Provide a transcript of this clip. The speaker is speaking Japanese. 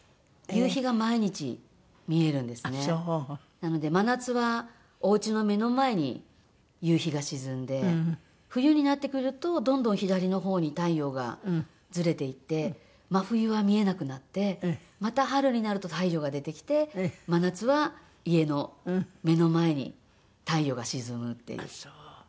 なので真夏はおうちの目の前に夕日が沈んで冬になってくるとどんどん左の方に太陽がずれていって真冬は見えなくなってまた春になると太陽が出てきて真夏は家の目の前に太陽が沈むっていう。